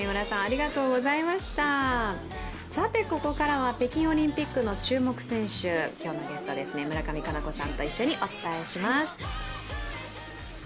さてここからは北京オリンピックの注目選手、今日のゲスト、村上佳菜子さんと一緒にお伝えします。